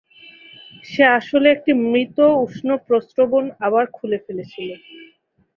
সে আসলে একটি মৃত উষ্ণপ্রস্রবণ আবার খুলে ফেলেছিল।